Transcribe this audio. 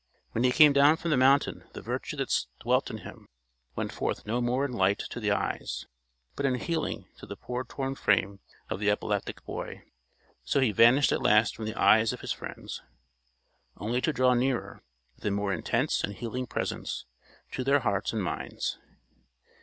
When he came down from the mountain the virtue that dwelt in him went forth no more in light to the eyes, but in healing to the poor torn frame of the epileptic boy. So he vanished at last from the eyes of his friends, only to draw nearer with a more intense and healing presence to their hearts and minds.